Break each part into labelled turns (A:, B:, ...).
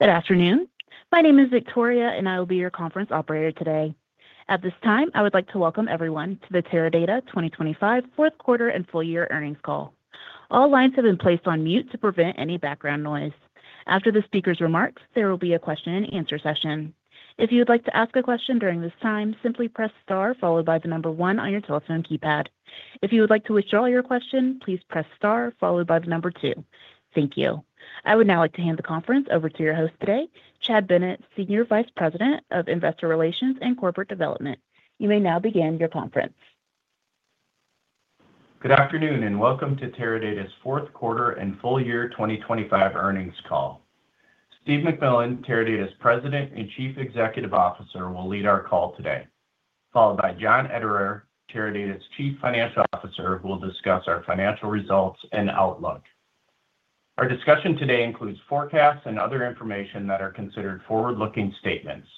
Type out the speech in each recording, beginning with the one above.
A: Good afternoon. My name is Victoria, and I will be your conference operator today. At this time, I would like to welcome everyone to the Teradata 2025 fourth quarter and full year earnings call. All lines have been placed on mute to prevent any background noise. After the speaker's remarks, there will be a question-and-answer session. If you would like to ask a question during this time, simply press star followed by 1 on your telephone keypad. If you would like to withdraw your question, please press star followed by two. Thank you. I would now like to hand the conference over to your host today, Chad Bennett, Senior Vice President of Investor Relations and Corporate Development. You may now begin your conference.
B: Good afternoon and welcome to Teradata's fourth quarter and full year 2025 earnings call. Steve McMillan, Teradata's President and Chief Executive Officer, will lead our call today, followed by John Ederer, Teradata's Chief Financial Officer, who will discuss our financial results and outlook. Our discussion today includes forecasts and other information that are considered forward-looking statements.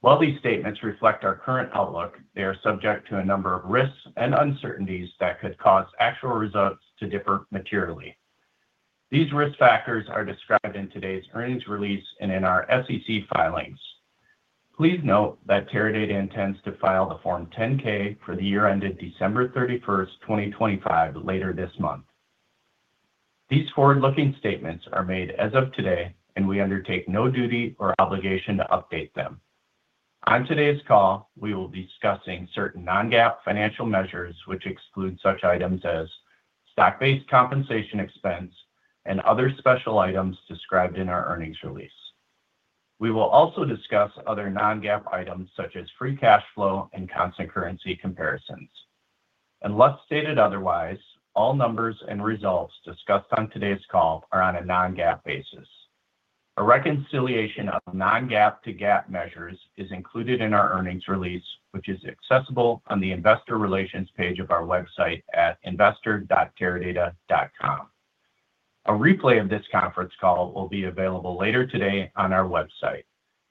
B: While these statements reflect our current outlook, they are subject to a number of risks and uncertainties that could cause actual results to differ materially. These risk factors are described in today's earnings release and in our SEC filings. Please note that Teradata intends to file the Form 10-K for the year ended December 31st, 2025, later this month. These forward-looking statements are made as of today, and we undertake no duty or obligation to update them. On today's call, we will be discussing certain non-GAAP financial measures, which exclude such items as stock-based compensation expense and other special items described in our earnings release. We will also discuss other non-GAAP items such as free cash flow and constant currency comparisons. Unless stated otherwise, all numbers and results discussed on today's call are on a non-GAAP basis. A reconciliation of non-GAAP to GAAP measures is included in our earnings release, which is accessible on the Investor Relations page of our website at investor.teradata.com. A replay of this conference call will be available later today on our website.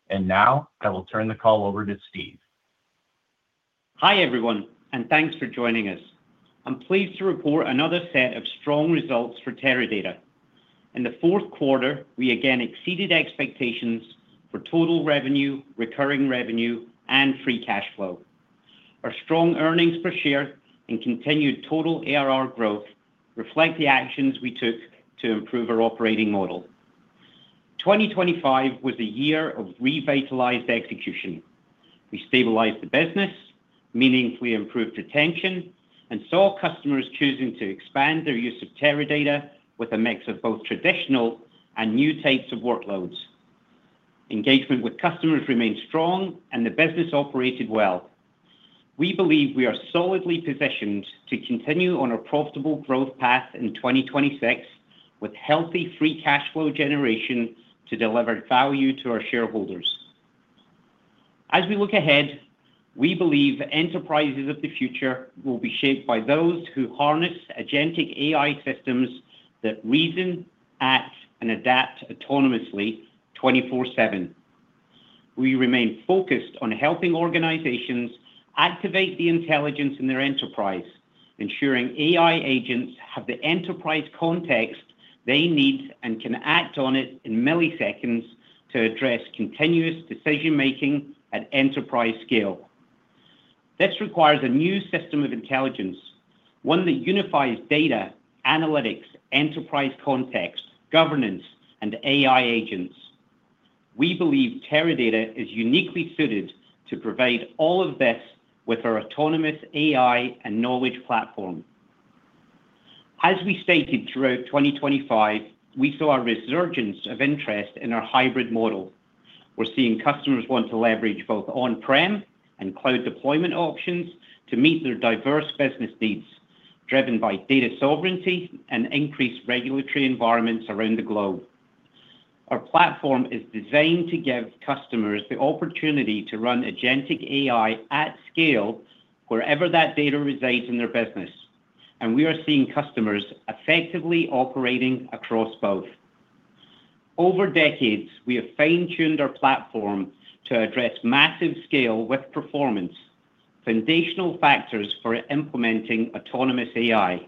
B: Now I will turn the call over to Steve.
C: Hi everyone, and thanks for joining us. I'm pleased to report another set of strong results for Teradata. In the fourth quarter, we again exceeded expectations for total revenue, recurring revenue, and free cash flow. Our strong earnings per share and continued total ARR growth reflect the actions we took to improve our operating model. 2025 was a year of revitalized execution. We stabilized the business, meaningfully improved retention, and saw customers choosing to expand their use of Teradata with a mix of both traditional and new types of workloads. Engagement with customers remained strong, and the business operated well. We believe we are solidly positioned to continue on a profitable growth path in 2026 with healthy free cash flow generation to deliver value to our shareholders. As we look ahead, we believe enterprises of the future will be shaped by those who harness agentic AI systems that reason, act, and adapt autonomously 24/7. We remain focused on helping organizations activate the intelligence in their enterprise, ensuring AI agents have the enterprise context they need and can act on it in milliseconds to address continuous decision-making at enterprise scale. This requires a new system of intelligence, one that unifies data, analytics, enterprise context, governance, and AI agents. We believe Teradata is uniquely suited to provide all of this with our autonomous AI and knowledge platform. As we stated throughout 2025, we saw a resurgence of interest in our hybrid model. We're seeing customers want to leverage both on-prem and cloud deployment options to meet their diverse business needs, driven by data sovereignty and increased regulatory environments around the globe. Our platform is designed to give customers the opportunity to run agentic AI at scale wherever that data resides in their business, and we are seeing customers effectively operating across both. Over decades, we have fine-tuned our platform to address massive scale with performance, foundational factors for implementing autonomous AI.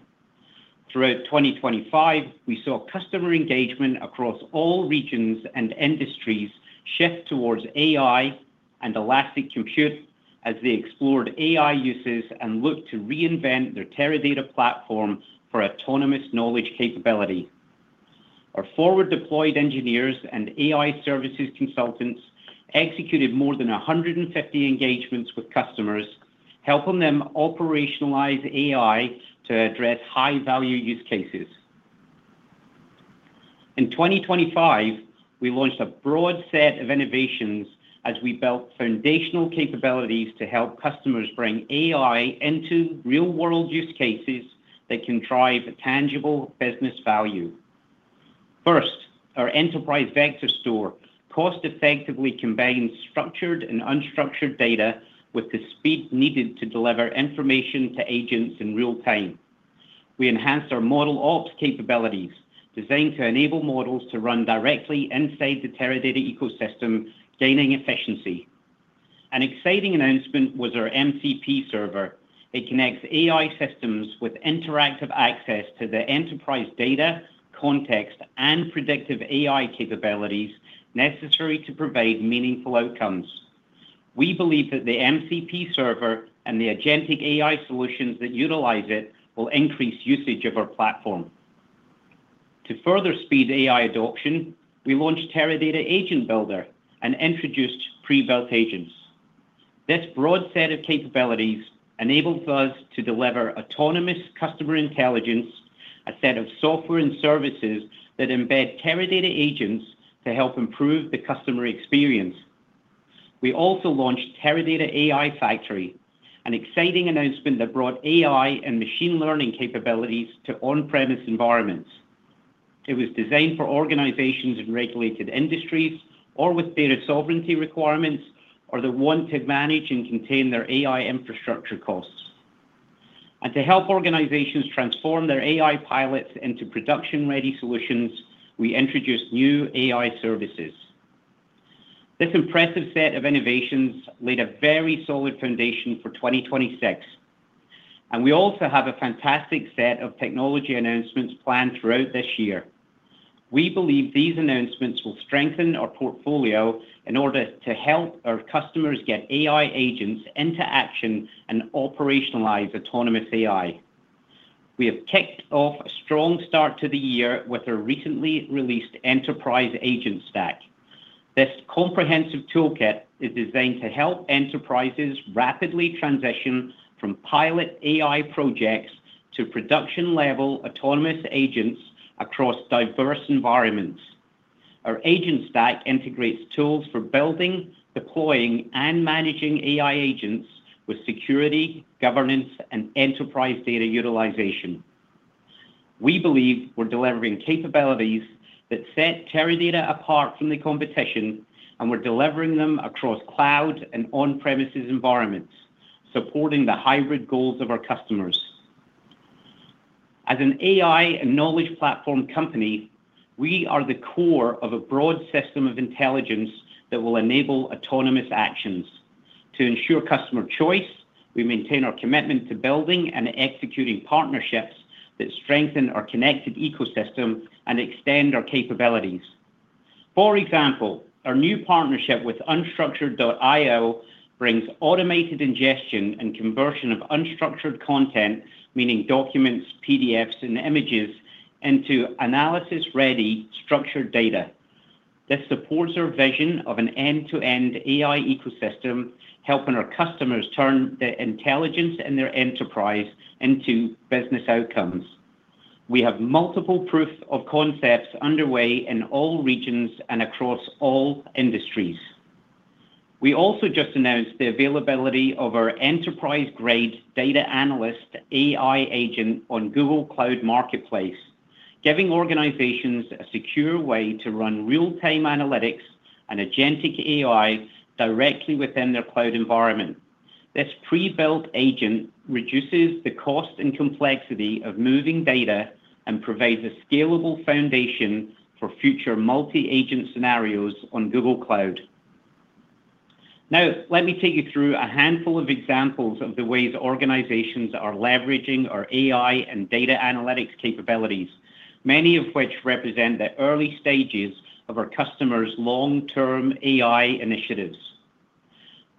C: Throughout 2025, we saw customer engagement across all regions and industries shift towards AI and elastic compute as they explored AI uses and looked to reinvent their Teradata platform for autonomous knowledge capability. Our forward-deployed engineers and AI services consultants executed more than 150 engagements with customers, helping them operationalize AI to address high-value use cases. In 2025, we launched a broad set of innovations as we built foundational capabilities to help customers bring AI into real-world use cases that can drive tangible business value. First, our Enterprise Vector Store cost-effectively combines structured and unstructured data with the speed needed to deliver information to agents in real time. We enhanced our ModelOps capabilities, designed to enable models to run directly inside the Teradata ecosystem, gaining efficiency. An exciting announcement was our MCP Server. It connects AI systems with interactive access to the enterprise data, context, and predictive AI capabilities necessary to provide meaningful outcomes. We believe that the MCP Server and the agentic AI solutions that utilize it will increase usage of our platform. To further speed AI adoption, we launched Teradata Agent Builder and introduced pre-built agents. This broad set of capabilities enabled us to deliver autonomous customer intelligence, a set of software and services that embed Teradata agents to help improve the customer experience. We also launched Teradata AI Factory, an exciting announcement that brought AI and machine learning capabilities to on-premises environments. It was designed for organizations in regulated industries or with data sovereignty requirements or that want to manage and contain their AI infrastructure costs. And to help organizations transform their AI pilots into production-ready solutions, we introduced new AI services. This impressive set of innovations laid a very solid foundation for 2026, and we also have a fantastic set of technology announcements planned throughout this year. We believe these announcements will strengthen our portfolio in order to help our customers get AI agents into action and operationalize autonomous AI. We have kicked off a strong start to the year with our recently released Enterprise AgentStack. This comprehensive toolkit is designed to help enterprises rapidly transition from pilot AI projects to production-level autonomous agents across diverse environments. Our agent stack integrates tools for building, deploying, and managing AI agents with security, governance, and enterprise data utilization. We believe we're delivering capabilities that set Teradata apart from the competition, and we're delivering them across cloud and on-premises environments, supporting the hybrid goals of our customers. As an AI and knowledge platform company, we are the core of a broad system of intelligence that will enable autonomous actions. To ensure customer choice, we maintain our commitment to building and executing partnerships that strengthen our connected ecosystem and extend our capabilities. For example, our new partnership with Unstructured.io brings automated ingestion and conversion of unstructured content, meaning documents, PDFs, and images, into analysis-ready, structured data. This supports our vision of an end-to-end AI ecosystem, helping our customers turn the intelligence in their enterprise into business outcomes. We have multiple proofs of concepts underway in all regions and across all industries. We also just announced the availability of our enterprise-grade Data Analyst AI Agent on Google Cloud Marketplace, giving organizations a secure way to run real-time analytics and agentic AI directly within their cloud environment. This pre-built agent reduces the cost and complexity of moving data and provides a scalable foundation for future multi-agent scenarios on Google Cloud. Now, let me take you through a handful of examples of the ways organizations are leveraging our AI and data analytics capabilities, many of which represent the early stages of our customers' long-term AI initiatives.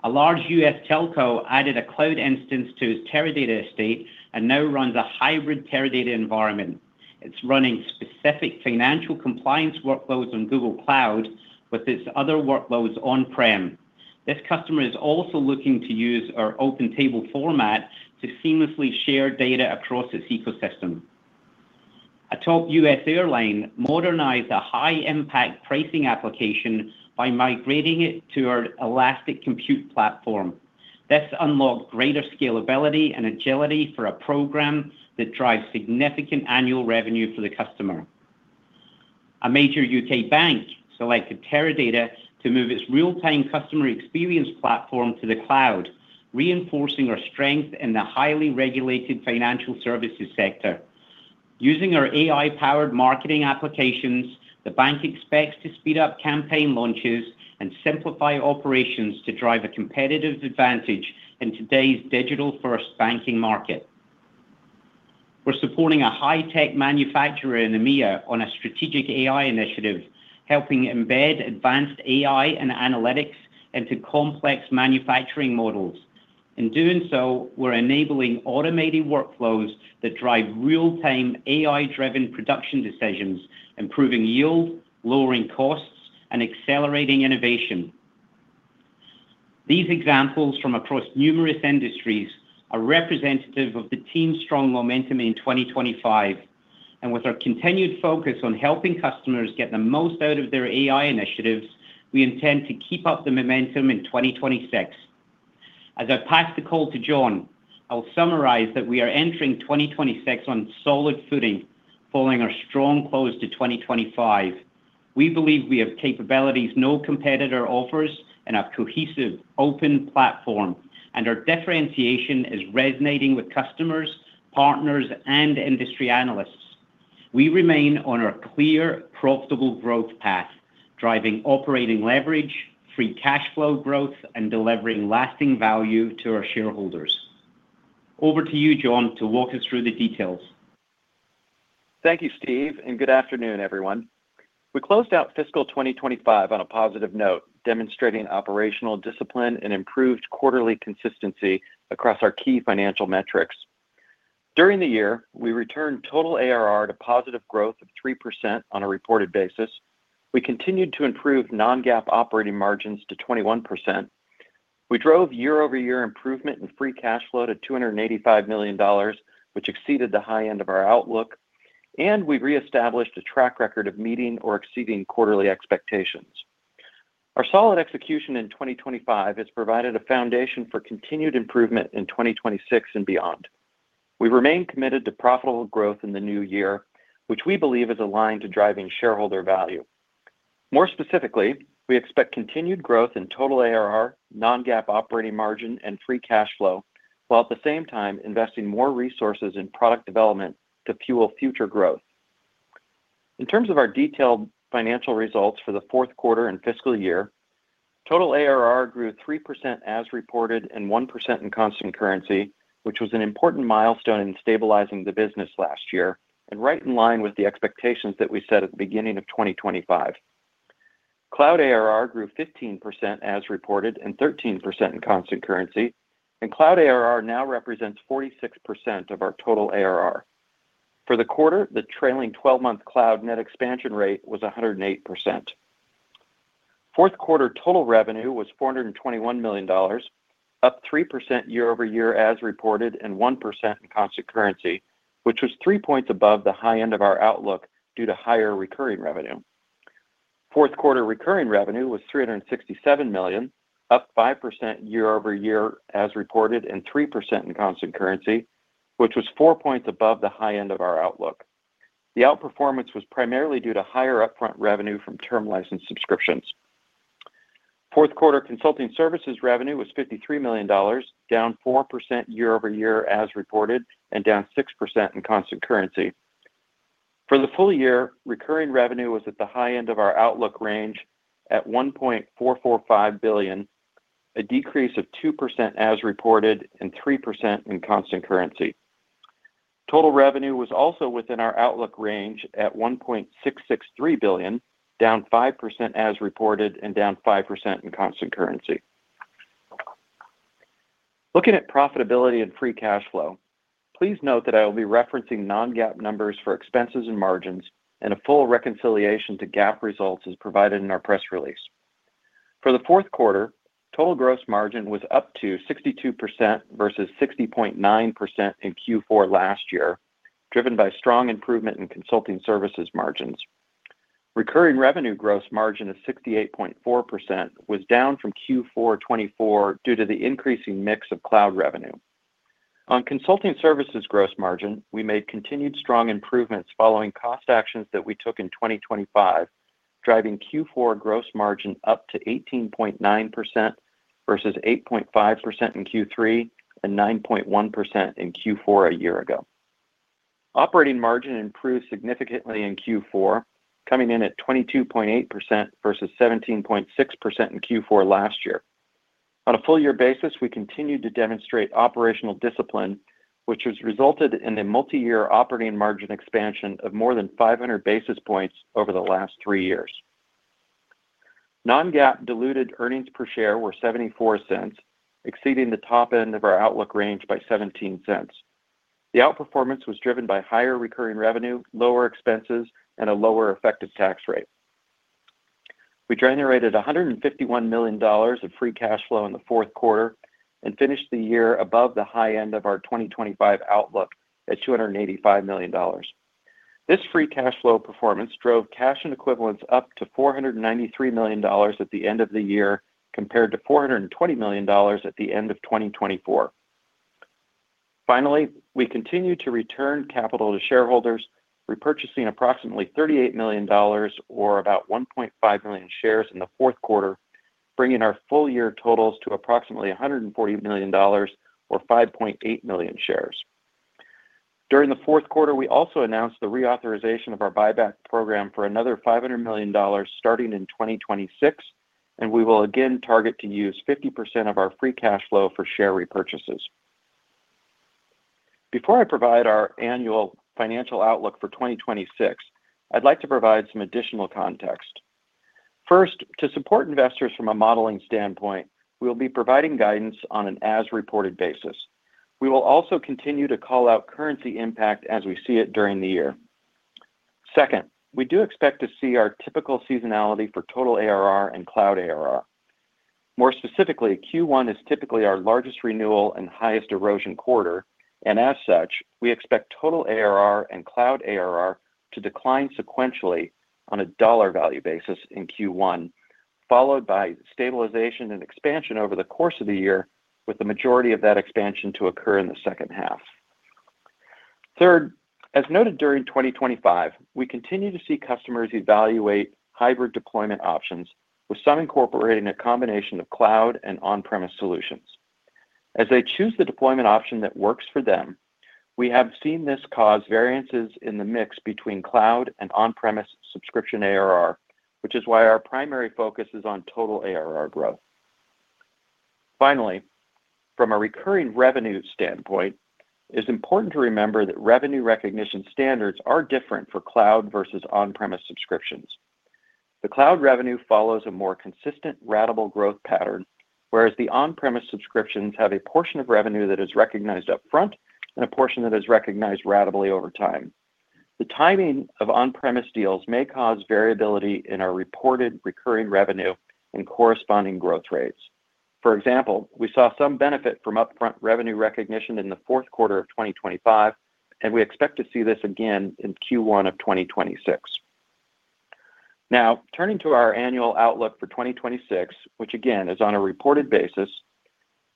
C: A large U.S. telco added a cloud instance to its Teradata estate and now runs a hybrid Teradata environment. It's running specific financial compliance workloads on Google Cloud with its other workloads on-prem. This customer is also looking to use our open table format to seamlessly share data across its ecosystem. A top U.S. airline modernized a high-impact pricing application by migrating it to our elastic compute platform. This unlocked greater scalability and agility for a program that drives significant annual revenue for the customer. A major U.K. bank selected Teradata to move its real-time customer experience platform to the cloud, reinforcing our strength in the highly regulated financial services sector. Using our AI-powered marketing applications, the bank expects to speed up campaign launches and simplify operations to drive a competitive advantage in today's digital-first banking market. We're supporting a high-tech manufacturer in EMEA on a strategic AI initiative, helping embed advanced AI and analytics into complex manufacturing models. In doing so, we're enabling automated workflows that drive real-time AI-driven production decisions, improving yield, lowering costs, and accelerating innovation. These examples from across numerous industries are representative of the team's strong momentum in 2025. With our continued focus on helping customers get the most out of their AI initiatives, we intend to keep up the momentum in 2026. As I pass the call to John, I will summarize that we are entering 2026 on solid footing, following our strong close to 2025. We believe we have capabilities no competitor offers in our cohesive, open platform, and our differentiation is resonating with customers, partners, and industry analysts. We remain on our clear, profitable growth path, driving operating leverage, free cash flow growth, and delivering lasting value to our shareholders. Over to you, John, to walk us through the details.
D: Thank you, Steve, and good afternoon, everyone. We closed out fiscal 2025 on a positive note, demonstrating operational discipline and improved quarterly consistency across our key financial metrics. During the year, we returned total ARR to positive growth of 3% on a reported basis. We continued to improve non-GAAP operating margins to 21%. We drove year-over-year improvement in free cash flow to $285 million, which exceeded the high end of our outlook, and we reestablished a track record of meeting or exceeding quarterly expectations. Our solid execution in 2025 has provided a foundation for continued improvement in 2026 and beyond. We remain committed to profitable growth in the new year, which we believe is aligned to driving shareholder value. More specifically, we expect continued growth in total ARR, non-GAAP operating margin, and free cash flow, while at the same time investing more resources in product development to fuel future growth. In terms of our detailed financial results for the fourth quarter and fiscal year, total ARR grew 3% as reported and 1% in constant currency, which was an important milestone in stabilizing the business last year and right in line with the expectations that we set at the beginning of 2025. Cloud ARR grew 15% as reported and 13% in constant currency, and cloud ARR now represents 46% of our total ARR. For the quarter, the trailing 12-month cloud net expansion rate was 108%. Fourth quarter total revenue was $421 million, up 3% year-over-year as reported and 1% in constant currency, which was 3 points above the high end of our outlook due to higher recurring revenue. Fourth quarter recurring revenue was $367 million, up 5% year-over-year as reported and 3% in constant currency, which was 4 points above the high end of our outlook. The outperformance was primarily due to higher upfront revenue from term license subscriptions. Fourth quarter consulting services revenue was $53 million, down 4% year-over-year as reported and down 6% in constant currency. For the full year, recurring revenue was at the high end of our outlook range at $1.445 billion, a decrease of 2% as reported and 3% in constant currency. Total revenue was also within our outlook range at $1.663 billion, down 5% as reported and down 5% in constant currency. Looking at profitability and free cash flow, please note that I will be referencing non-GAAP numbers for expenses and margins, and a full reconciliation to GAAP results is provided in our press release. For the fourth quarter, total gross margin was up to 62% versus 60.9% in Q4 last year, driven by strong improvement in consulting services margins. Recurring revenue gross margin of 68.4% was down from Q4 2024 due to the increasing mix of cloud revenue. On consulting services gross margin, we made continued strong improvements following cost actions that we took in 2025, driving Q4 gross margin up to 18.9% versus 8.5% in Q3 and 9.1% in Q4 a year ago. Operating margin improved significantly in Q4, coming in at 22.8% versus 17.6% in Q4 last year. On a full-year basis, we continued to demonstrate operational discipline, which has resulted in a multi-year operating margin expansion of more than 500 basis points over the last three years. Non-GAAP diluted earnings per share were $0.74, exceeding the top end of our outlook range by $0.17. The outperformance was driven by higher recurring revenue, lower expenses, and a lower effective tax rate. We generated $151 million of free cash flow in the fourth quarter and finished the year above the high end of our 2025 outlook at $285 million. This free cash flow performance drove cash and equivalents up to $493 million at the end of the year compared to $420 million at the end of 2024. Finally, we continued to return capital to shareholders, repurchasing approximately $38 million or about 1.5 million shares in the fourth quarter, bringing our full-year totals to approximately $140 million or 5.8 million shares. During the fourth quarter, we also announced the reauthorization of our buyback program for another $500 million starting in 2026, and we will again target to use 50% of our free cash flow for share repurchases. Before I provide our annual financial outlook for 2026, I'd like to provide some additional context. First, to support investors from a modeling standpoint, we will be providing guidance on an as-reported basis. We will also continue to call out currency impact as we see it during the year. Second, we do expect to see our typical seasonality for total ARR and cloud ARR. More specifically, Q1 is typically our largest renewal and highest erosion quarter, and as such, we expect total ARR and cloud ARR to decline sequentially on a dollar value basis in Q1, followed by stabilization and expansion over the course of the year, with the majority of that expansion to occur in the second half. Third, as noted during 2025, we continue to see customers evaluate hybrid deployment options, with some incorporating a combination of cloud and on-premise solutions. As they choose the deployment option that works for them, we have seen this cause variances in the mix between cloud and on-premise subscription ARR, which is why our primary focus is on total ARR growth. Finally, from a recurring revenue standpoint, it is important to remember that revenue recognition standards are different for cloud versus on-premise subscriptions. The cloud revenue follows a more consistent, ratable growth pattern, whereas the on-premise subscriptions have a portion of revenue that is recognized upfront and a portion that is recognized ratably over time. The timing of on-premise deals may cause variability in our reported recurring revenue and corresponding growth rates. For example, we saw some benefit from upfront revenue recognition in the fourth quarter of 2025, and we expect to see this again in Q1 of 2026. Now, turning to our annual outlook for 2026, which again is on a reported basis,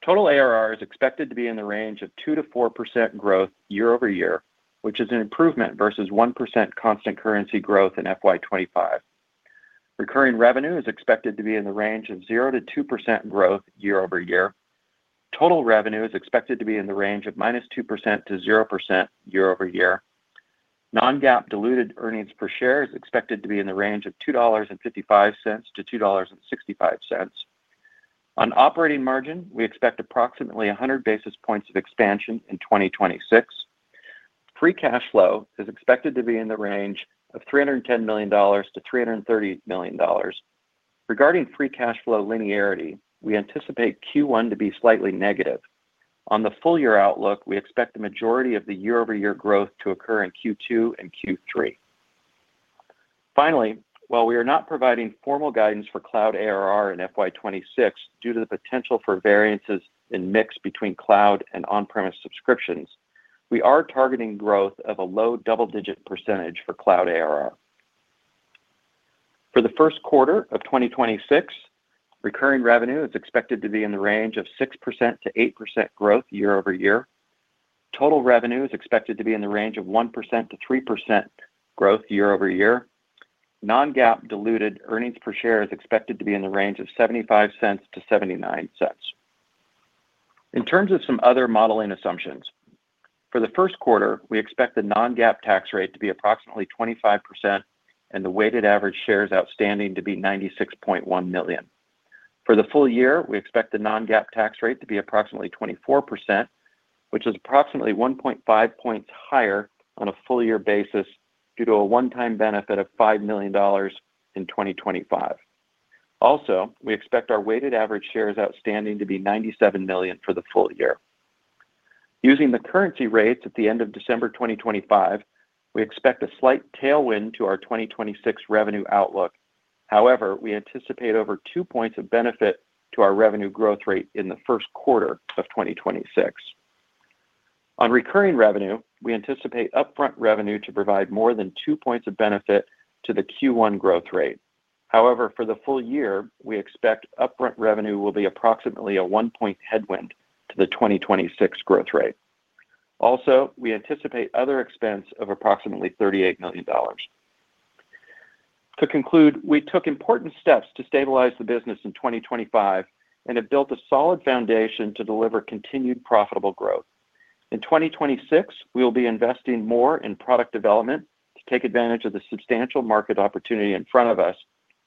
D: total ARR is expected to be in the range of 2%-4% growth year-over-year, which is an improvement versus 1% constant currency growth in FY25. Recurring revenue is expected to be in the range of 0%-2% growth year-over-year. Total revenue is expected to be in the range of -2%-0% year-over-year. Non-GAAP diluted earnings per share is expected to be in the range of $2.55-$2.65. On operating margin, we expect approximately 100 basis points of expansion in 2026. Free cash flow is expected to be in the range of $310 million-$330 million. Regarding free cash flow linearity, we anticipate Q1 to be slightly negative. On the full-year outlook, we expect the majority of the year-over-year growth to occur in Q2 and Q3. Finally, while we are not providing formal guidance for cloud ARR in FY26 due to the potential for variances in mix between cloud and on-premise subscriptions, we are targeting growth of a low double-digit percentage for cloud ARR. For the first quarter of 2026, recurring revenue is expected to be in the range of 6%-8% growth year over year. Total revenue is expected to be in the range of 1%-3% growth year over year. Non-GAAP diluted earnings per share is expected to be in the range of $0.75-$0.79. In terms of some other modeling assumptions, for the first quarter, we expect the non-GAAP tax rate to be approximately 25% and the weighted average shares outstanding to be 96.1 million. For the full year, we expect the non-GAAP tax rate to be approximately 24%, which is approximately 1.5 points higher on a full-year basis due to a one-time benefit of $5 million in 2025. Also, we expect our weighted average shares outstanding to be 97 million for the full year. Using the currency rates at the end of December 2025, we expect a slight tailwind to our 2026 revenue outlook. However, we anticipate over 2 points of benefit to our revenue growth rate in the first quarter of 2026. On recurring revenue, we anticipate upfront revenue to provide more than 2 points of benefit to the Q1 growth rate. However, for the full year, we expect upfront revenue will be approximately a 1-point headwind to the 2026 growth rate. Also, we anticipate other expense of approximately $38 million. To conclude, we took important steps to stabilize the business in 2025 and have built a solid foundation to deliver continued profitable growth. In 2026, we will be investing more in product development to take advantage of the substantial market opportunity in front of us,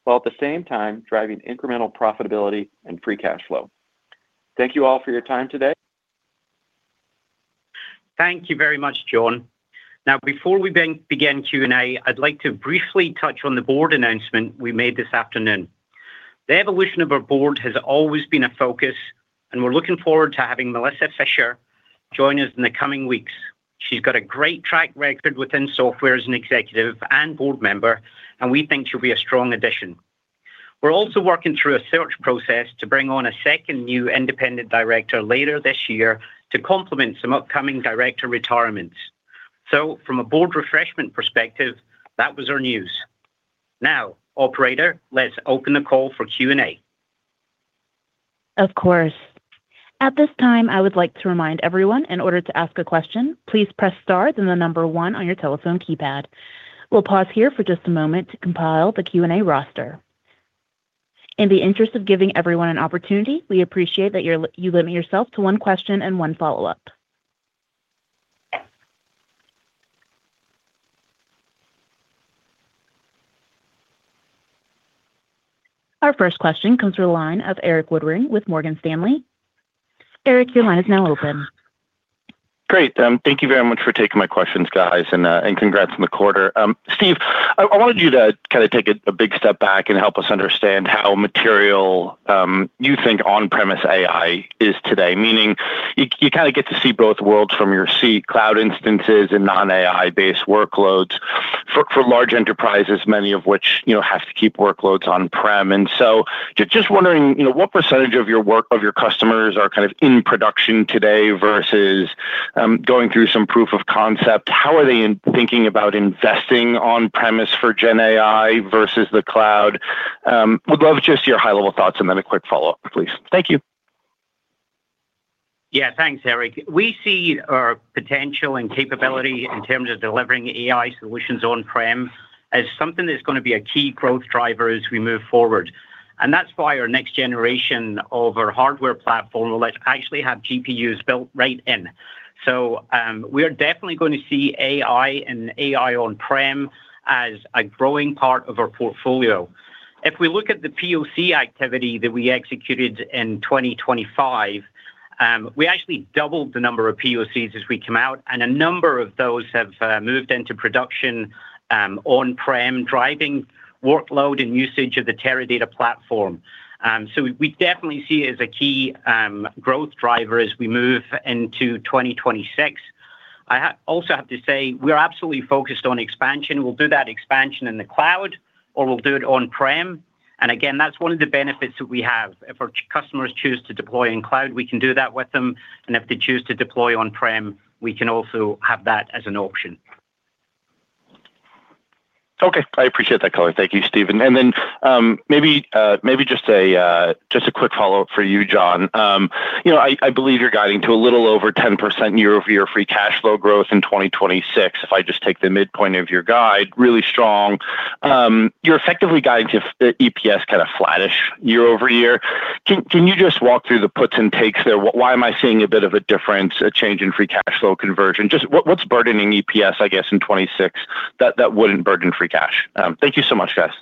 D: while at the same time driving incremental profitability and free cash flow. Thank you all for your time today.
C: Thank you very much, John. Now, before we begin Q&A, I'd like to briefly touch on the board announcement we made this afternoon. The evolution of our board has always been a focus, and we're looking forward to having Melissa Fisher join us in the coming weeks. She's got a great track record within software as an executive and board member, and we think she'll be a strong addition. We're also working through a search process to bring on a second new independent director later this year to complement some upcoming director retirements. So from a board refreshment perspective, that was our news. Now, operator, let's open the call for Q&A.
A: Of course. At this time, I would like to remind everyone, in order to ask a question, please press star then the number one on your telephone keypad. We'll pause here for just a moment to compile the Q&A roster. In the interest of giving everyone an opportunity, we appreciate that you limit yourself to one question and one follow-up. Our first question comes from the line of Erik Woodring with Morgan Stanley. Erik, your line is now open.
E: Great. Thank you very much for taking my questions, guys, and congrats on the quarter. Steve, I wanted you to kind of take a big step back and help us understand how material you think on-premise AI is today, meaning you kind of get to see both worlds from your seat: cloud instances and non-AI-based workloads for large enterprises, many of which have to keep workloads on-prem. And so just wondering, what percentage of your customers are kind of in production today versus going through some proof of concept? How are they thinking about investing on-premise for Gen AI versus the cloud? Would love just your high-level thoughts and then a quick follow-up, please. Thank you.
C: Yeah, thanks, Erik. We see our potential and capability in terms of delivering AI solutions on-prem as something that's going to be a key growth driver as we move forward. And that's why our next generation of our hardware platform will actually have GPUs built right in. So we are definitely going to see AI and AI on-prem as a growing part of our portfolio. If we look at the POC activity that we executed in 2025, we actually doubled the number of POCs as we came out, and a number of those have moved into production on-prem, driving workload and usage of the Teradata platform. So we definitely see it as a key growth driver as we move into 2026. I also have to say we're absolutely focused on expansion. We'll do that expansion in the cloud, or we'll do it on-prem. Again, that's one of the benefits that we have. If our customers choose to deploy in cloud, we can do that with them. If they choose to deploy on-prem, we can also have that as an option.
E: Okay. I appreciate that color. Thank you, Steven. And then maybe just a quick follow-up for you, John. I believe you're guiding to a little over 10% year-over-year free cash flow growth in 2026, if I just take the midpoint of your guide, really strong. You're effectively guiding to EPS kind of flattish year-over-year. Can you just walk through the puts and takes there? Why am I seeing a bit of a difference, a change in free cash flow conversion? Just what's burdening EPS, I guess, in 2026 that wouldn't burden free cash? Thank you so much, guys.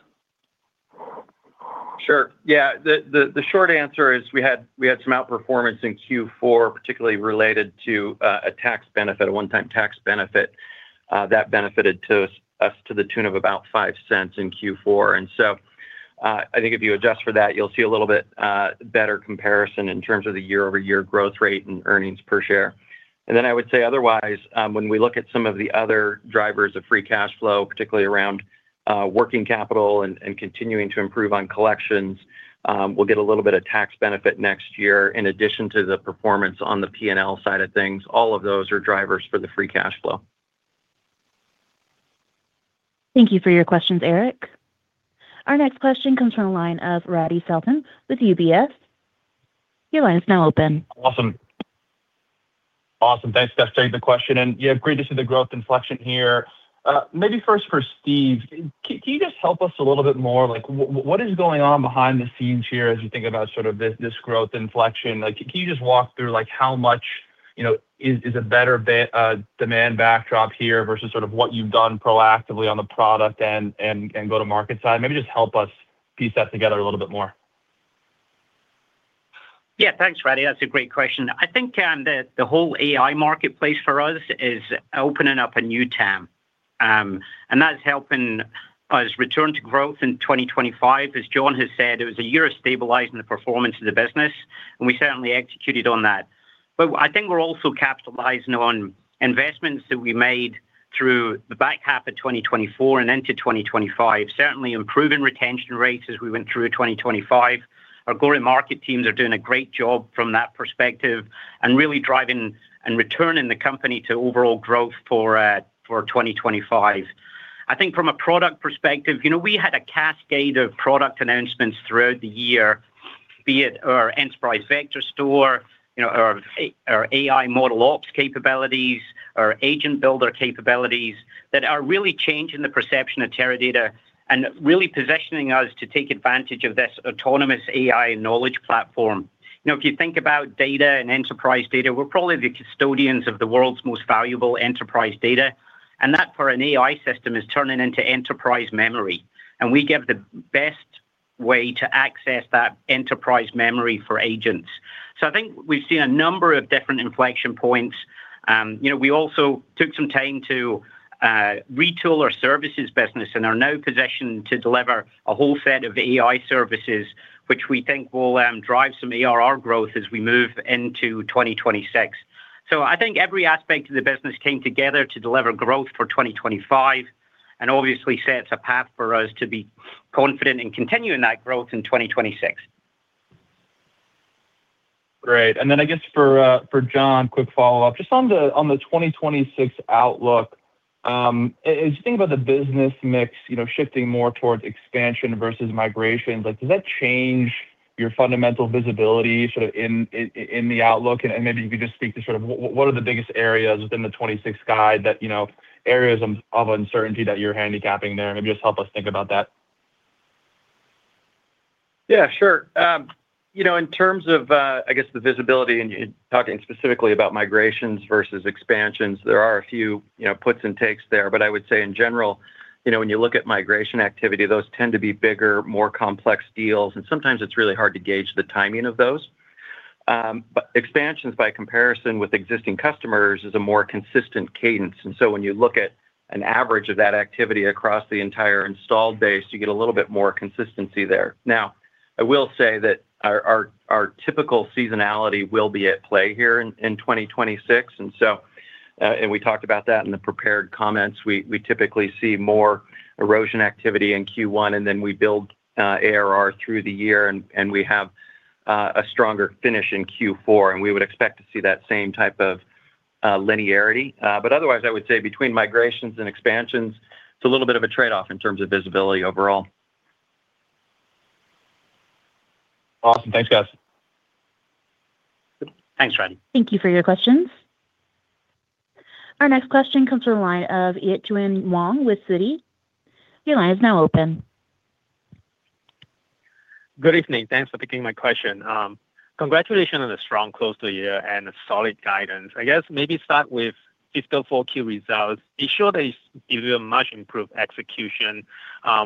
D: Sure. Yeah. The short answer is we had some outperformance in Q4, particularly related to a tax benefit, a one-time tax benefit that benefited us to the tune of about $0.05 in Q4. And so I think if you adjust for that, you'll see a little bit better comparison in terms of the year-over-year growth rate and earnings per share. And then I would say otherwise, when we look at some of the other drivers of free cash flow, particularly around working capital and continuing to improve on collections, we'll get a little bit of tax benefit next year. In addition to the performance on the P&L side of things, all of those are drivers for the free cash flow.
A: Thank you for your questions, Erik. Our next question comes from the line of Radi Saltan with UBS. Your line is now open.
F: Awesome. Awesome. Thanks, Steve, for taking the question. Yeah, great to see the growth inflection here. Maybe first for Steve, can you just help us a little bit more? What is going on behind the scenes here as you think about sort of this growth inflection? Can you just walk through how much is a better demand backdrop here versus sort of what you've done proactively on the product and go-to-market side? Maybe just help us piece that together a little bit more.
C: Yeah, thanks, Radi. That's a great question. I think the whole AI marketplace for us is opening up a new term. And that's helping us return to growth in 2025. As John has said, it was a year of stabilizing the performance of the business, and we certainly executed on that. But I think we're also capitalizing on investments that we made through the back half of 2024 and into 2025, certainly improving retention rates as we went through 2025. Our growing market teams are doing a great job from that perspective and really driving and returning the company to overall growth for 2025. I think from a product perspective, we had a cascade of product announcements throughout the year, be it our Enterprise Vector Store, our AI model ops capabilities, our agent builder capabilities that are really changing the perception of Teradata and really positioning us to take advantage of this autonomous AI knowledge platform. If you think about data and enterprise data, we're probably the custodians of the world's most valuable enterprise data. And that, for an AI system, is turning into enterprise memory. And we give the best way to access that enterprise memory for agents. So I think we've seen a number of different inflection points. We also took some time to retool our services business and are now positioned to deliver a whole set of AI services, which we think will drive some ARR growth as we move into 2026. I think every aspect of the business came together to deliver growth for 2025 and obviously sets a path for us to be confident in continuing that growth in 2026.
F: Great. Then I guess for John, quick follow-up. Just on the 2026 outlook, as you think about the business mix shifting more towards expansion versus migrations, does that change your fundamental visibility sort of in the outlook? And maybe you could just speak to sort of what are the biggest areas within the 2026 guide, areas of uncertainty that you're handicapping there? Maybe just help us think about that.
D: Yeah, sure. In terms of, I guess, the visibility and talking specifically about migrations versus expansions, there are a few puts and takes there. But I would say in general, when you look at migration activity, those tend to be bigger, more complex deals. And sometimes it's really hard to gauge the timing of those. But expansions, by comparison with existing customers, is a more consistent cadence. And so when you look at an average of that activity across the entire installed base, you get a little bit more consistency there. Now, I will say that our typical seasonality will be at play here in 2026. And we talked about that in the prepared comments. We typically see more erosion activity in Q1, and then we build ARR through the year, and we have a stronger finish in Q4. And we would expect to see that same type of linearity. Otherwise, I would say between migrations and expansions, it's a little bit of a trade-off in terms of visibility overall.
F: Awesome. Thanks, guys.
C: Thanks, Radi.
A: Thank you for your questions. Our next question comes from the line of Yitchuin Wong with Citi. Your line is now open.
G: Good evening. Thanks for picking my question. Congratulations on a strong close to the year and solid guidance. I guess maybe start with fiscal fourth-quarter results. We saw that it's given much improved execution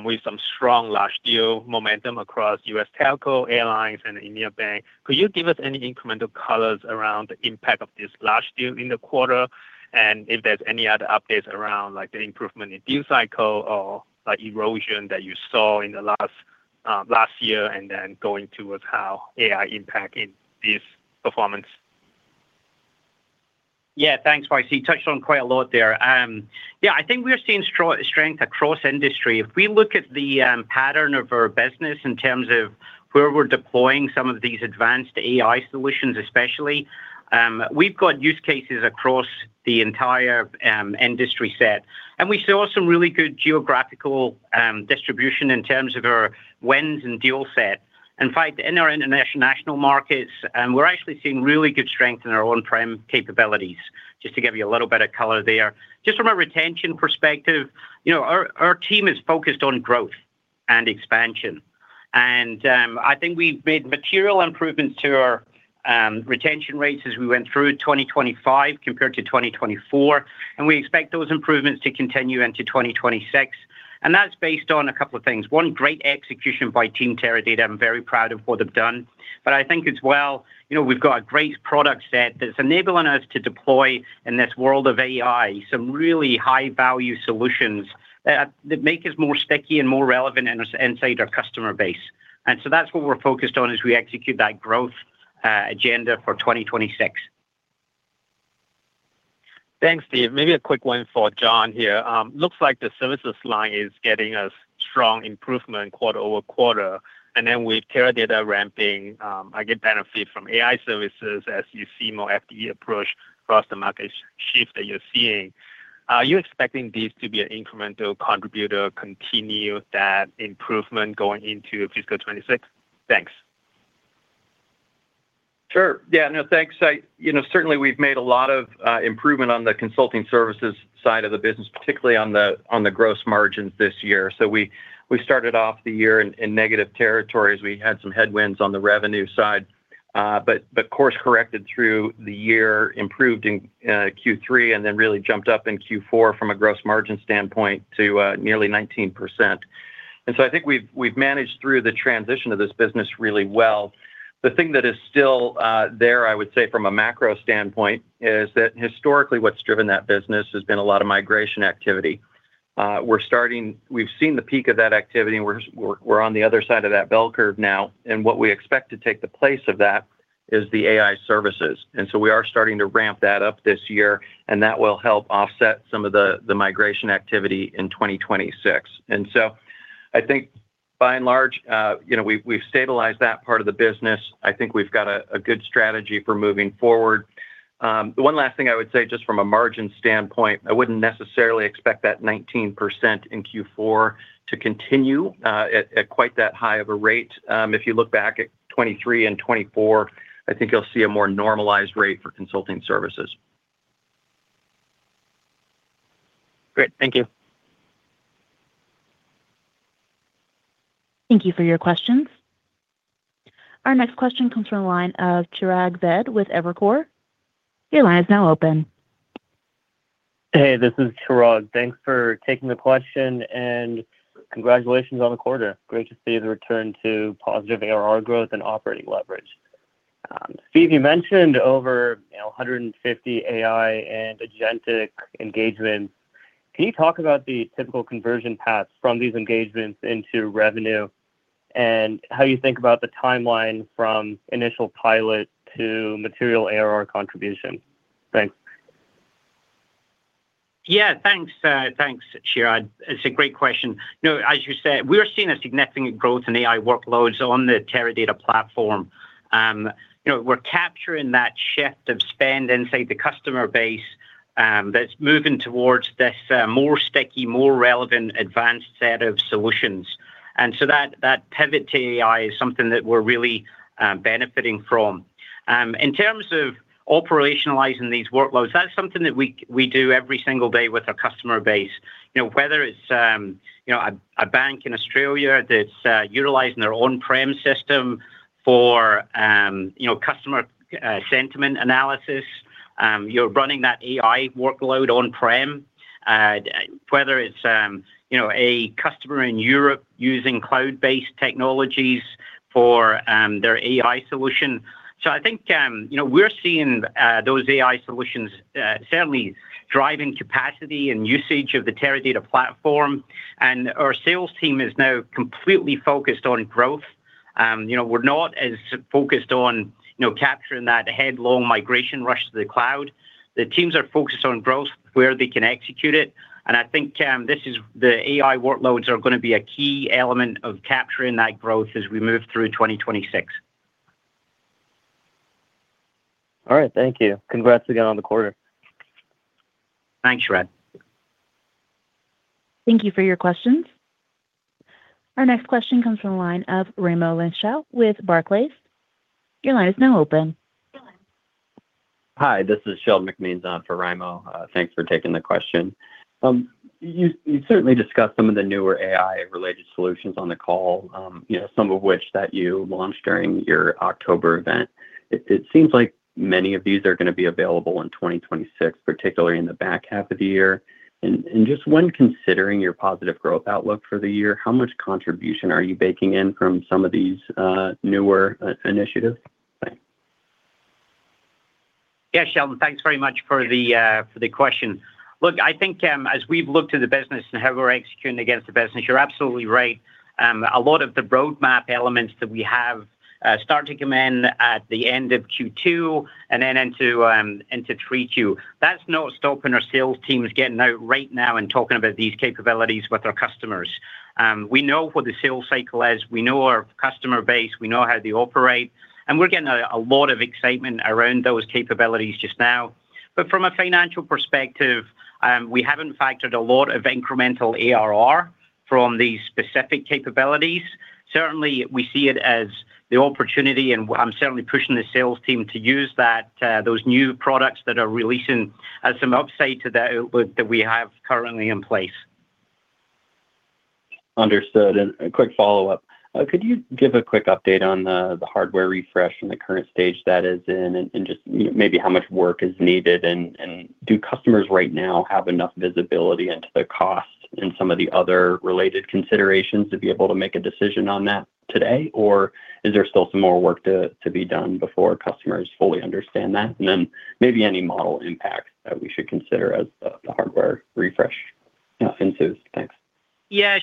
G: with some strong large deal momentum across U.S. telco, airlines, and Indian bank. Could you give us any incremental colors around the impact of this large deal in the quarter and if there's any other updates around the improvement in deal cycle or erosion that you saw in the last year and then going towards how AI impacting this performance?
C: Yeah, thanks, Yitchuin. You touched on quite a lot there. Yeah, I think we're seeing strength across industry. If we look at the pattern of our business in terms of where we're deploying some of these advanced AI solutions, especially, we've got use cases across the entire industry set. And we saw some really good geographical distribution in terms of our wins and deal set. In fact, in our international markets, we're actually seeing really good strength in our on-prem capabilities, just to give you a little bit of color there. Just from a retention perspective, our team is focused on growth and expansion. And I think we've made material improvements to our retention rates as we went through 2025 compared to 2024. And we expect those improvements to continue into 2026. And that's based on a couple of things. One, great execution by Team Teradata. I'm very proud of what they've done. But I think as well, we've got a great product set that's enabling us to deploy in this world of AI some really high-value solutions that make us more sticky and more relevant inside our customer base. And so that's what we're focused on as we execute that growth agenda for 2026.
G: Thanks, Steve. Maybe a quick one for John here. Looks like the services line is getting a strong improvement quarter over quarter. And then with Teradata ramping, I get benefit from AI services as you see more FDE approach across the market shift that you're seeing. Are you expecting these to be an incremental contributor continue that improvement going into fiscal 2026? Thanks.
D: Sure. Yeah. No, thanks. Certainly, we've made a lot of improvement on the consulting services side of the business, particularly on the gross margins this year. So we started off the year in negative territories. We had some headwinds on the revenue side, but course-corrected through the year, improved in Q3, and then really jumped up in Q4 from a gross margin standpoint to nearly 19%. And so I think we've managed through the transition of this business really well. The thing that is still there, I would say, from a macro standpoint, is that historically, what's driven that business has been a lot of migration activity. We've seen the peak of that activity. We're on the other side of that bell curve now. And what we expect to take the place of that is the AI services. And so we are starting to ramp that up this year. That will help offset some of the migration activity in 2026. And so I think, by and large, we've stabilized that part of the business. I think we've got a good strategy for moving forward. The one last thing I would say just from a margin standpoint, I wouldn't necessarily expect that 19% in Q4 to continue at quite that high of a rate. If you look back at 2023 and 2024, I think you'll see a more normalized rate for consulting services.
G: Great. Thank you.
A: Thank you for your questions. Our next question comes from the line of Chirag Ved with Evercore. Your line is now open.
H: Hey, this is Chirag. Thanks for taking the question. Congratulations on the quarter. Great to see the return to positive ARR growth and operating leverage. Steve, you mentioned over 150 AI and agentic engagements. Can you talk about the typical conversion paths from these engagements into revenue and how you think about the timeline from initial pilot to material ARR contribution? Thanks.
C: Yeah, thanks, Chirag. It's a great question. As you said, we are seeing a significant growth in AI workloads on the Teradata platform. We're capturing that shift of spend inside the customer base that's moving towards this more sticky, more relevant, advanced set of solutions. And so that pivot to AI is something that we're really benefiting from. In terms of operationalizing these workloads, that's something that we do every single day with our customer base, whether it's a bank in Australia that's utilizing their on-prem system for customer sentiment analysis, you're running that AI workload on-prem, whether it's a customer in Europe using cloud-based technologies for their AI solution. So I think we're seeing those AI solutions certainly driving capacity and usage of the Teradata platform. And our sales team is now completely focused on growth. We're not as focused on capturing that headlong migration rush to the cloud. The teams are focused on growth, where they can execute it. And I think the AI workloads are going to be a key element of capturing that growth as we move through 2026.
H: All right. Thank you. Congrats again on the quarter.
C: Thanks, Chirag.
A: Thank you for your questions. Our next question comes from the line of Raimo Lenschow with Barclays. Your line is now open.
I: Hi. This is Sheldon McMeans for Raimo. Thanks for taking the question. You certainly discussed some of the newer AI-related solutions on the call, some of which that you launched during your October event. It seems like many of these are going to be available in 2026, particularly in the back half of the year. Just when considering your positive growth outlook for the year, how much contribution are you baking in from some of these newer initiatives?
C: Yeah, Sheldon, thanks very much for the question. Look, I think as we've looked at the business and how we're executing against the business, you're absolutely right. A lot of the roadmap elements that we have start to come in at the end of Q2 and then into Q3. That's not stopping our sales teams getting out right now and talking about these capabilities with our customers. We know what the sales cycle is. We know our customer base. We know how they operate. And we're getting a lot of excitement around those capabilities just now. But from a financial perspective, we haven't factored a lot of incremental ARR from these specific capabilities. Certainly, we see it as the opportunity. And I'm certainly pushing the sales team to use those new products that are releasing as some upside to that outlook that we have currently in place.
I: Understood. And a quick follow-up. Could you give a quick update on the hardware refresh and the current stage that is in and just maybe how much work is needed? And do customers right now have enough visibility into the cost and some of the other related considerations to be able to make a decision on that today? Or is there still some more work to be done before customers fully understand that? And then maybe any model impact that we should consider as the hardware refresh ensues. Thanks.
C: Yeah.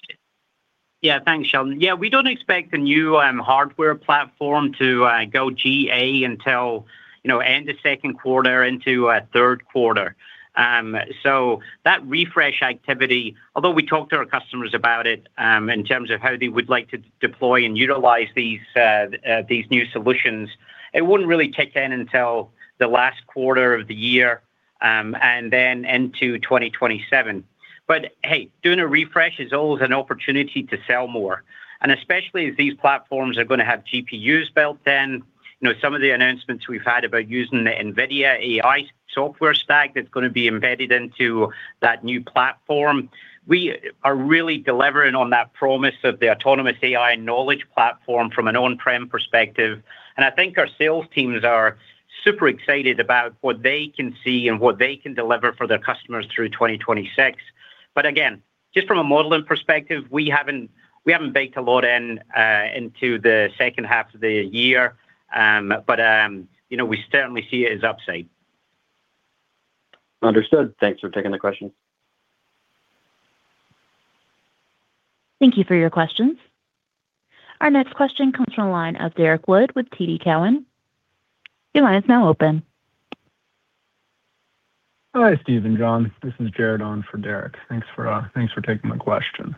C: Yeah, thanks, Sheldon. Yeah, we don't expect the new hardware platform to go GA until end of second quarter into third quarter. So that refresh activity, although we talked to our customers about it in terms of how they would like to deploy and utilize these new solutions, it wouldn't really kick in until the last quarter of the year and then into 2027. But hey, doing a refresh is always an opportunity to sell more. And especially as these platforms are going to have GPUs built in, some of the announcements we've had about using the NVIDIA AI software stack that's going to be embedded into that new platform, we are really delivering on that promise of the autonomous AI knowledge platform from an on-prem perspective. I think our sales teams are super excited about what they can see and what they can deliver for their customers through 2026. But again, just from a modeling perspective, we haven't baked a lot into the second half of the year. But we certainly see it as upside.
I: Understood. Thanks for taking the questions.
A: Thank you for your questions. Our next question comes from the line of Derrick Wood with TD Cowen. Your line is now open.
J: Hi, Steve and John. This is Jared on for Derrick. Thanks for taking my question.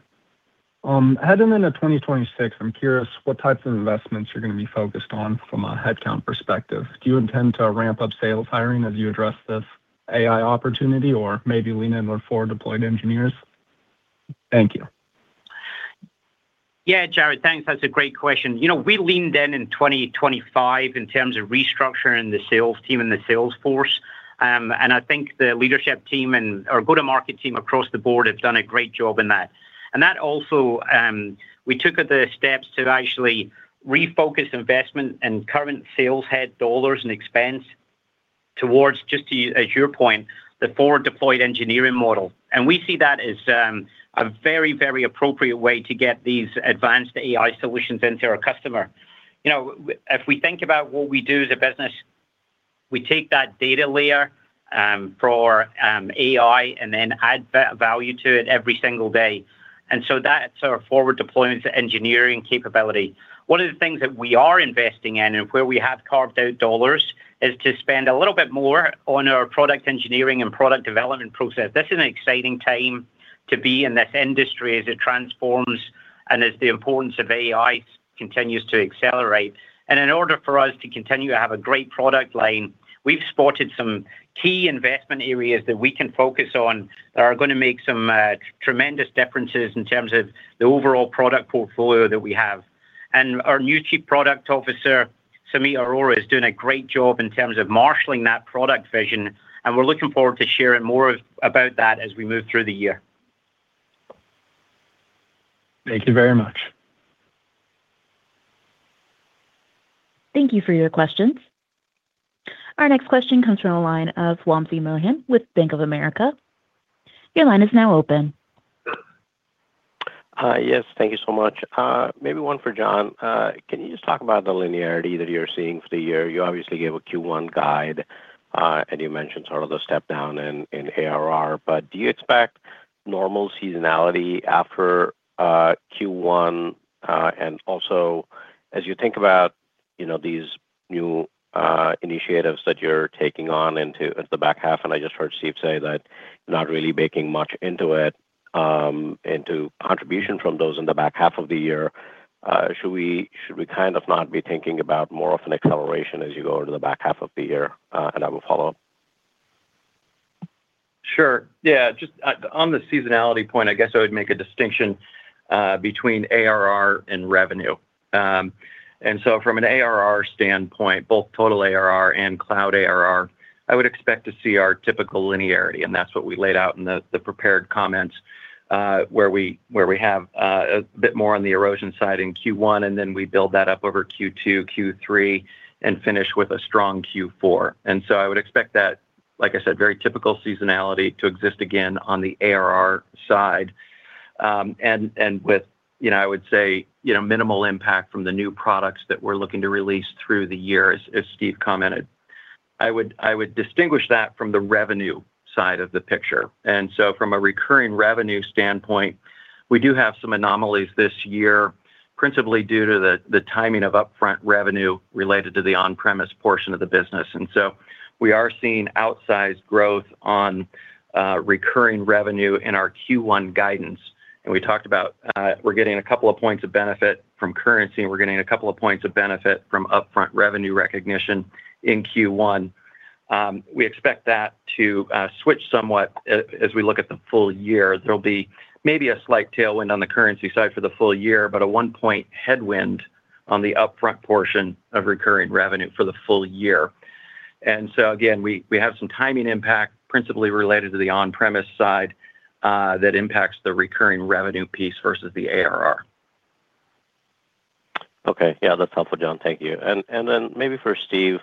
J: Heading into 2026, I'm curious what types of investments you're going to be focused on from a headcount perspective. Do you intend to ramp up sales hiring as you address this AI opportunity or maybe lean in with forward-deployed engineers? Thank you.
C: Yeah, Jared, thanks. That's a great question. We leaned in in 2025 in terms of restructuring the sales team and the sales force. I think the leadership team and our go-to-market team across the board have done a great job in that. That also, we took the steps to actually refocus investment and current sales head dollars and expense towards, just as your point, the forward-deployed engineering model. We see that as a very, very appropriate way to get these advanced AI solutions into our customer. If we think about what we do as a business, we take that data layer for AI and then add value to it every single day. So that's our forward-deployment engineering capability. One of the things that we are investing in and where we have carved out dollars is to spend a little bit more on our product engineering and product development process. This is an exciting time to be in this industry as it transforms and as the importance of AI continues to accelerate. In order for us to continue to have a great product line, we've spotted some key investment areas that we can focus on that are going to make some tremendous differences in terms of the overall product portfolio that we have. Our new Chief Product Officer, Sumeet Arora, is doing a great job in terms of marshalling that product vision. We're looking forward to sharing more about that as we move through the year.
J: Thank you very much.
A: Thank you for your questions. Our next question comes from the line of Wamsi Mohan with Bank of America. Your line is now open.
K: Yes. Thank you so much. Maybe one for John. Can you just talk about the linearity that you're seeing for the year? You obviously gave a Q1 guide, and you mentioned sort of the step down in ARR. But do you expect normal seasonality after Q1? And also, as you think about these new initiatives that you're taking on into the back half - and I just heard Steve say that you're not really baking much into it - into contribution from those in the back half of the year, should we kind of not be thinking about more of an acceleration as you go into the back half of the year? And that will follow up.
D: Sure. Yeah. Just on the seasonality point, I guess I would make a distinction between ARR and revenue. So from an ARR standpoint, both total ARR and cloud ARR, I would expect to see our typical linearity. And that's what we laid out in the prepared comments where we have a bit more on the erosion side in Q1, and then we build that up over Q2, Q3, and finish with a strong Q4. So I would expect that, like I said, very typical seasonality to exist again on the ARR side and with, I would say, minimal impact from the new products that we're looking to release through the year, as Steve commented. I would distinguish that from the revenue side of the picture. From a recurring revenue standpoint, we do have some anomalies this year, principally due to the timing of upfront revenue related to the on-premises portion of the business. We are seeing outsized growth on recurring revenue in our Q1 guidance. We talked about we're getting a couple of points of benefit from currency. We're getting a couple of points of benefit from upfront revenue recognition in Q1. We expect that to switch somewhat as we look at the full year. There'll be maybe a slight tailwind on the currency side for the full year, but a 1-point headwind on the upfront portion of recurring revenue for the full year. Again, we have some timing impact, principally related to the on-premises side that impacts the recurring revenue piece versus the ARR.
K: Okay. Yeah, that's helpful, John. Thank you. And then maybe for Steve,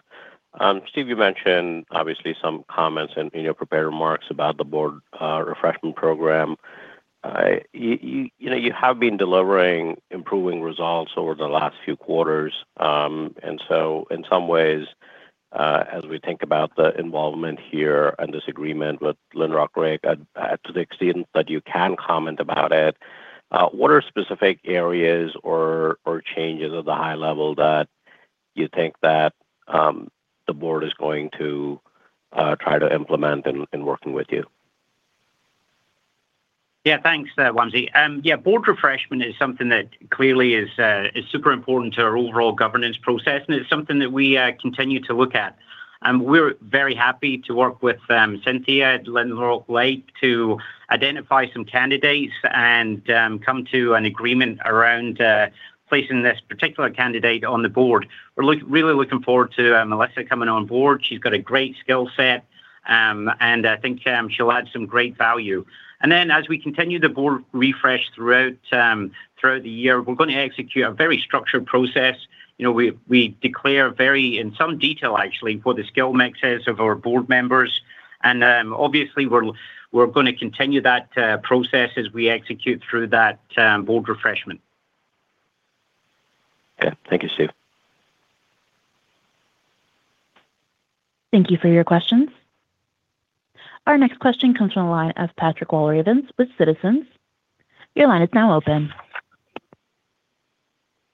K: Steve, you mentioned, obviously, some comments in your prepared remarks about the board refreshment program. You have been delivering improving results over the last few quarters. And so in some ways, as we think about the involvement here and this agreement with Lynrock Lake to the extent that you can comment about it, what are specific areas or changes at the high level that you think that the board is going to try to implement in working with you?
C: Yeah, thanks, Wamsi. Yeah, board refreshment is something that clearly is super important to our overall governance process. And it's something that we continue to look at. And we're very happy to work with Cynthia at Lynrock Lake to identify some candidates and come to an agreement around placing this particular candidate on the board. We're really looking forward to Melissa coming on board. She's got a great skill set. And I think she'll add some great value. And then as we continue the board refresh throughout the year, we're going to execute a very structured process. We declare in some detail, actually, what the skill mix is of our board members. And obviously, we're going to continue that process as we execute through that board refreshment.
K: Okay. Thank you, Steve.
A: Thank you for your questions. Our next question comes from the line of Patrick Walravens with Citizens. Your line is now open.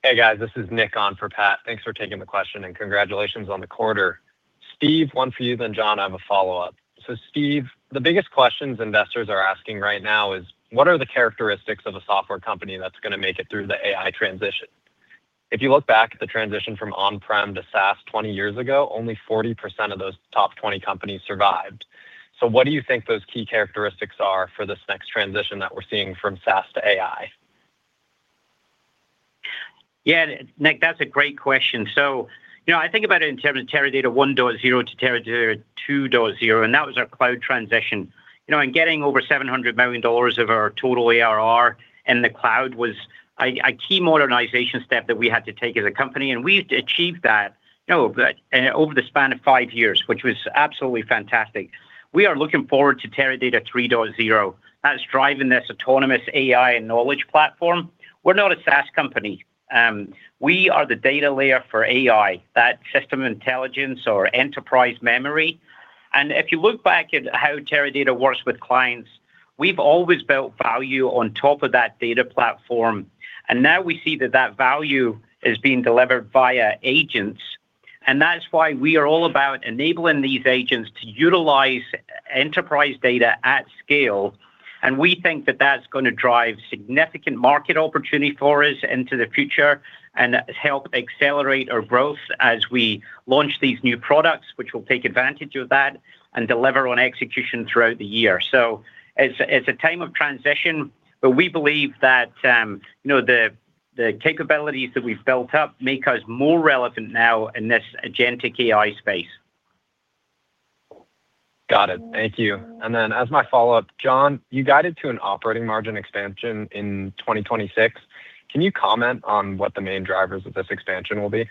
L: Hey, guys. This is Nick on for Pat. Thanks for taking the question. Congratulations on the quarter. Steve, one for you, then John. I have a follow-up. Steve, the biggest questions investors are asking right now is, what are the characteristics of a software company that's going to make it through the AI transition? If you look back at the transition from on-prem to SaaS 20 years ago, only 40% of those top 20 companies survived. So what do you think those key characteristics are for this next transition that we're seeing from SaaS to AI?
C: Yeah, Nick, that's a great question. So I think about it in terms of Teradata 1.0 to Teradata 2.0. And that was our cloud transition. And getting over $700 million of our total ARR in the cloud was a key modernization step that we had to take as a company. And we've achieved that over the span of five years, which was absolutely fantastic. We are looking forward to Teradata 3.0. That's driving this autonomous AI and knowledge platform. We're not a SaaS company. We are the data layer for AI, that system intelligence or enterprise memory. And if you look back at how Teradata works with clients, we've always built value on top of that data platform. And now we see that that value is being delivered via agents. And that's why we are all about enabling these agents to utilize enterprise data at scale. We think that that's going to drive significant market opportunity for us into the future and help accelerate our growth as we launch these new products, which will take advantage of that and deliver on execution throughout the year. It's a time of transition. We believe that the capabilities that we've built up make us more relevant now in this agentic AI space.
L: Got it. Thank you. And then as my follow-up, John, you guided to an operating margin expansion in 2026. Can you comment on what the main drivers of this expansion will be?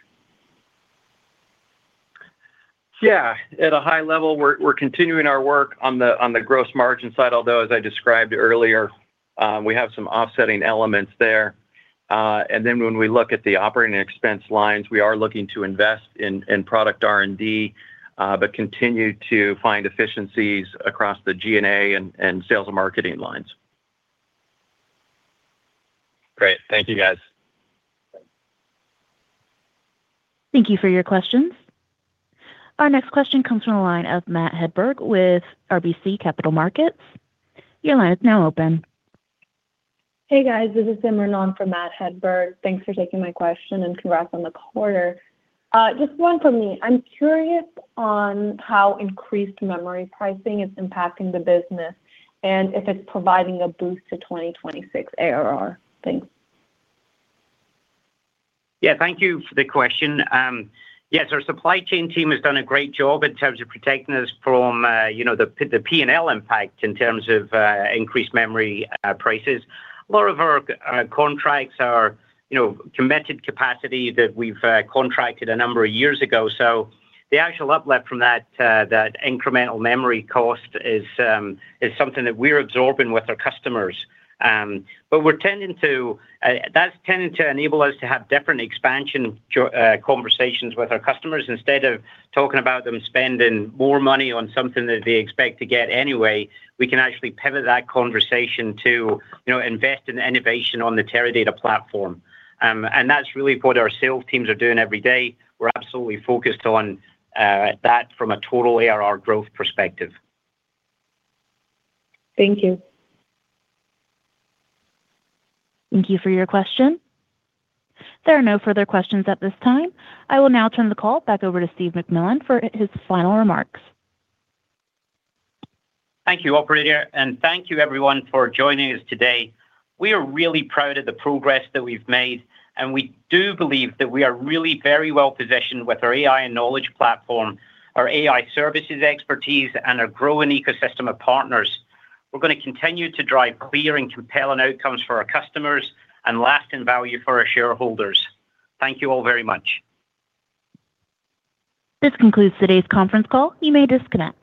D: Yeah. At a high level, we're continuing our work on the gross margin side. Although, as I described earlier, we have some offsetting elements there. And then when we look at the operating expense lines, we are looking to invest in product R&D but continue to find efficiencies across the G&A and sales and marketing lines.
L: Great. Thank you, guys.
A: Thank you for your questions. Our next question comes from the line of Matt Hedberg with RBC Capital Markets. Your line is now open.
M: Hey, guys. This is Simran Biswal from Matt Hedberg. Thanks for taking my question. Congrats on the quarter. Just one from me. I'm curious on how increased memory pricing is impacting the business and if it's providing a boost to 2026 ARR. Thanks.
C: Yeah. Thank you for the question. Yes, our supply chain team has done a great job in terms of protecting us from the P&L impact in terms of increased memory prices. A lot of our contracts are committed capacity that we've contracted a number of years ago. So the actual uplift from that incremental memory cost is something that we're absorbing with our customers. But that's tending to enable us to have different expansion conversations with our customers. Instead of talking about them spending more money on something that they expect to get anyway, we can actually pivot that conversation to invest in innovation on the Teradata platform. And that's really what our sales teams are doing every day. We're absolutely focused on that from a total ARR growth perspective.
M: Thank you.
A: Thank you for your question. There are no further questions at this time. I will now turn the call back over to Steve McMillan for his final remarks.
C: Thank you, operator. Thank you, everyone, for joining us today. We are really proud of the progress that we've made. We do believe that we are really very well positioned with our AI and knowledge platform, our AI services expertise, and our growing ecosystem of partners. We're going to continue to drive clear and compelling outcomes for our customers and lasting value for our shareholders. Thank you all very much.
A: This concludes today's conference call. You may disconnect.